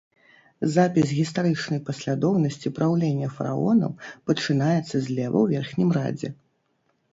Запіс гістарычнай паслядоўнасці праўлення фараонаў пачынаецца злева ў верхнім радзе.